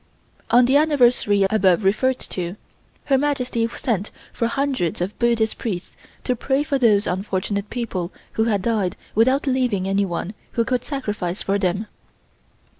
On the anniversary above referred to Her Majesty sent for hundreds of Buddhist priests to pray for those unfortunate people who had died without leaving anyone who could sacrifice for them.